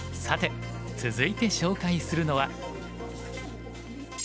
さて続いて紹介するのは。